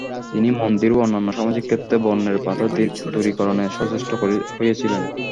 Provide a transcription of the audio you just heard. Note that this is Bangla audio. তিনি মন্দির ও অন্যান্য সামাজিক ক্ষেত্রে বর্ণের বাধা দূরীকরণে সচেষ্ট হয়েছিলেন।